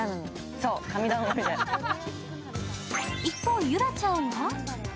一方、ゆらちゃんは？